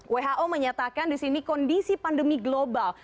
who menyatakan di sini kondisi pandemi global